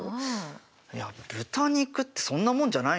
いや豚肉ってそんなもんじゃないの？